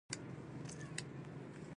"په چاړه یې کړه حلاله سبحان من یرانی".